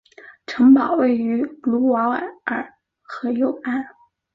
城堡位于卢瓦尔河右岸。